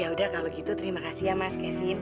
ya udah kalau gitu terima kasih ya mas kevin